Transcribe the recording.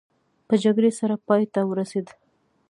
په جګړې سره پای ته ورسېده.